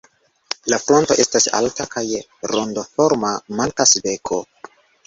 La fronto estas alta kaj rondoforma; mankas beko.